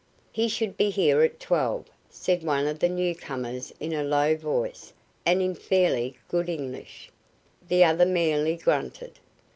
"He should be here at twelve," said one of the new comers in a low voice and in fairly good English. The other merely grunted.